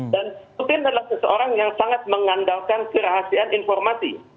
dan putin adalah seseorang yang sangat mengandalkan kerahasiaan informasi